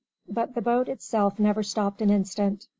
But the boat itself never stopped an instant.